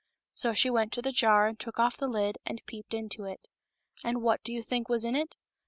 So she went to the jar and took off the lid and peeped into it. And what do you think was in it